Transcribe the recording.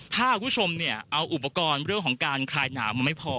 ถ้าคุณผู้ชมเนี่ยเอาอุปกรณ์เรื่องของการคลายหนาวมาไม่พอ